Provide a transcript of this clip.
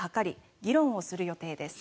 議論をする予定です。